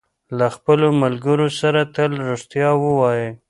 له خپلو ملګرو سره تل رښتیا ووایئ.